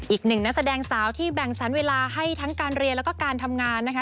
อีกหนึ่งนักแสดงสาวที่แบ่งสรรเวลาให้ทั้งการเรียนแล้วก็การทำงานนะคะ